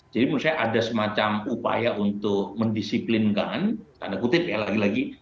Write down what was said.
menurut saya ada semacam upaya untuk mendisiplinkan tanda kutip ya lagi lagi